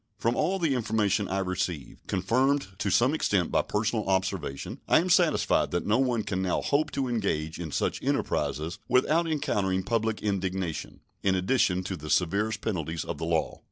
From all the information I receive, confirmed to some extent by personal observation, I am satisfied that no one can now hope to engage in such enterprises without encountering public indignation, in addition to the severest penalties of the law.